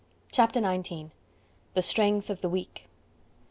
Chapter XIX: The Strength of the Weak "M.